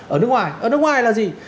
ở nước ngoài ở nước ngoài là gì